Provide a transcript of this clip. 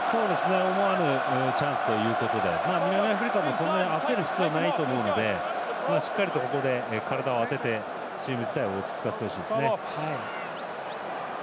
チャンスということで南アフリカは焦る必要はないと思いますのでここで体を当ててチーム自体を落ち着かせてほしいですね。